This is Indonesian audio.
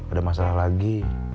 ada masalah lagi